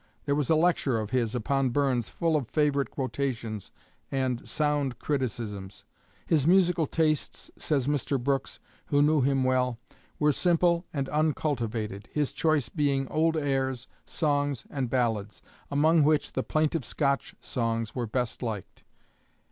There was a lecture of his upon Burns full of favorite quotations and sound criticisms." His musical tastes, says Mr. Brooks, who knew him well, "were simple and uncultivated, his choice being old airs, songs, and ballads, among which the plaintive Scotch songs were best liked.